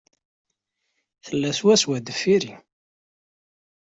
Tella swaswa deffir-i.